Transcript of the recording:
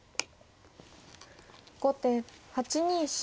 後手８二飛車。